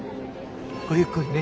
ごゆっくりね。